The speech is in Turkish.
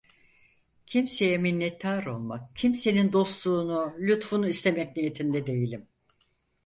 Kimseye minnettar olmak, kimsenin dostluğunu, lütfunu istemek niyetinde değilim…